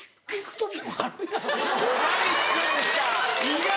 ・意外！